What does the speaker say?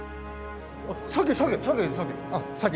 サケサケ！